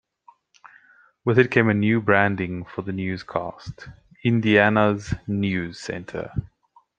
With it came a new branding for the newscasts, "Indiana's NewsCenter".